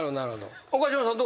岡島さん